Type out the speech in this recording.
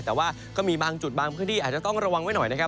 แต่ว่าก็มีบางจุดบางพื้นที่อาจจะต้องระวังไว้หน่อยนะครับ